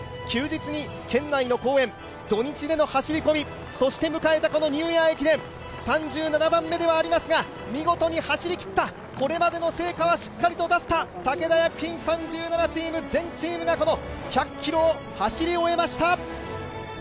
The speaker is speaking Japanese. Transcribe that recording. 休日に県内の公園、土日での走り込み、そして迎えたこのニューイヤー駅伝、３７番目ではありますが、見事に走りきった、これまでの成果はしっかりと出せた、武田薬品、３７チーム、全チームが１００ｋｍを走り終えました